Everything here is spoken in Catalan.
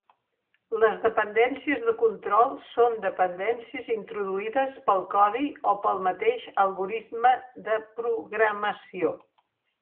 Les dependències de control són dependències introduïdes pel codi o pel mateix algorisme de programació.